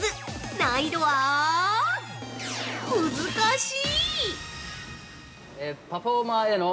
難易度は、難しい！